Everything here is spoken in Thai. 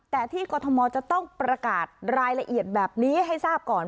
แต่ที่กรทมจะต้องประกาศรายละเอียดแบบนี้ให้ทราบก่อน